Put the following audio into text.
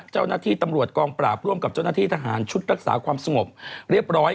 เจ้าหน้าที่ตำรวจกองปราบร่วมกับเจ้าหน้าที่ทหารชุดรักษาความสงบเรียบร้อย